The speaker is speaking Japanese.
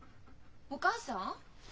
お母さん？